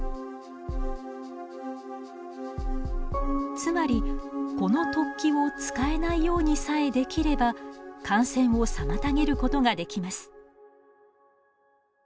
つまりこの突起を使えないようにさえできれば感染を妨げることができます。